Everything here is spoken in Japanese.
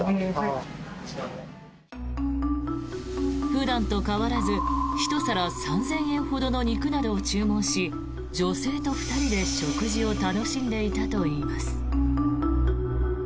普段と変わらず１皿３０００円ほどの肉などを注文し女性と２人で食事を楽しんでいたといいます。